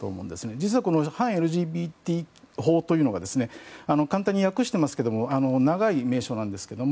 実は、反ＬＧＢＴ法というのが簡単に訳してますけれども長い名称なんですけれども